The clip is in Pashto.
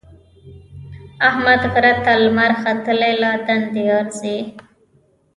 احمد غره ته لمر ختلی له دندې ارځي.